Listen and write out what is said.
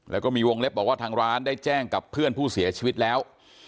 แล้วก็มีวงเล็บบอกว่าทางร้านได้แจ้งกับเพื่อนผู้เสียชีวิตแล้ว